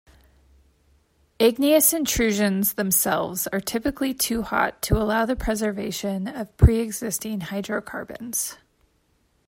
Igneous intrusions themselves are typically too hot to allow the preservation of preexisting hydrocarbons.